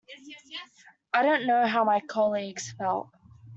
I don't know how my colleagues felt.